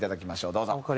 どうぞ。